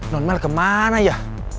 nomel kemana ya